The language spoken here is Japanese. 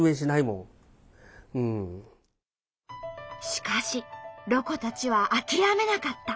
しかしロコたちは諦めなかった。